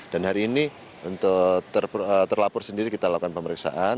dan hari ini untuk terlapor sendiri kita lakukan pemeriksaan